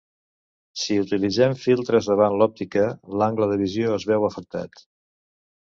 Si utilitzem filtres davant l'òptica, l'angle de visió es veu afectat.